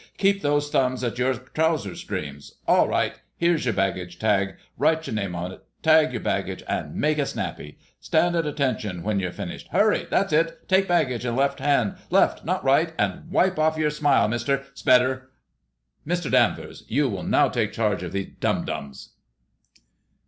Keep those thumbs at your trouser seams.... All right! Here's your baggage tag. Write your name on it. Tag your baggage—and make it snappy. Stand at attention when you've finished. Hurry! That's it.... Take baggage in left hand—left, not right. And wipe off your smile, Mister! 'Sbetter.... Mister Danvers, you will now take charge of these dum dums."